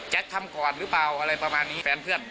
ช่วยเร่งจับตัวคนร้ายให้ได้โดยเร่ง